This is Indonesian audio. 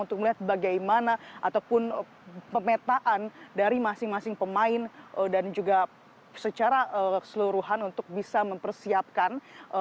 untuk melihat bagaimana ataupun pemetaan dari masing masing pemain dan juga secara keseluruhan untuk bisa mempersiapkan